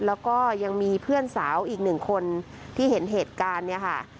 แล้วก็ยังมีเพื่อนสาวอีกหนึ่งคนที่เห็นเหตุการณ์เนี่ยค่ะ